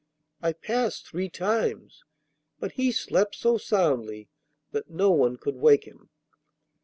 I passed three times, but he slept so soundly that no one could wake him.